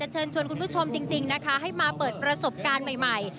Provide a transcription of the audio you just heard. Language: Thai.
เชิญชวนคุณผู้ชมจริงนะคะให้มาเปิดประสบการณ์ใหม่